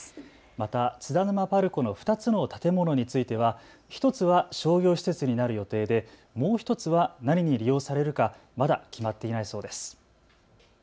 また津田沼パルコの２つの建物については１つは商業施設になる予定でもう１つは何に利用されるかまだ決まっていないそうです。